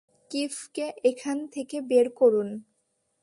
কিফকে এখান থেকে বের করুন।